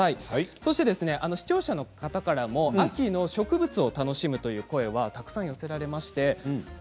そして視聴者の方からも秋の植物を楽しむという声がたくさん寄せられました。